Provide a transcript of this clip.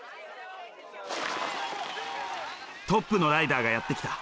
トップのライダーがやって来た。